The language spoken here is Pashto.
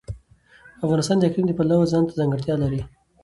افغانستان د اقلیم د پلوه ځانته ځانګړتیا لري.